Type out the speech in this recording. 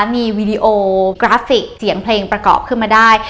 มีวีดีโอกราฟิกเสียงเพลงประกอบขึ้นมาได้